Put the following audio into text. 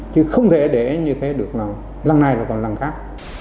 chứ không thể để như thế được lần này hoặc lần khác